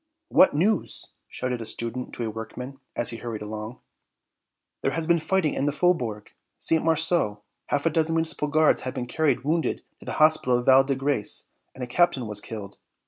"What news?" shouted a student to a workman, as he hurried along. "There has been fighting in the Faubourg St. Marceau; half a dozen Municipal Guards have been carried wounded to the hospital of Val de Grace and a captain was killed."